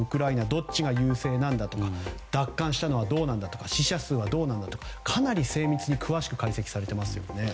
どっちが優勢なんだとか奪還したのはどうなんだとか死者数はどうなんだとかかなり精密に詳しく解析されていますよね。